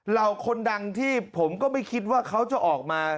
เราคนดังที่ผมก็ไม่คิดว่าเขาจะออกมา